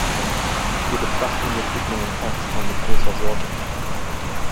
Wir betrachten die Entwicklung in Pakistan mit großer Sorge.